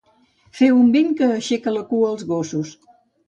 Fer un vent que aixeca la cua als gossos.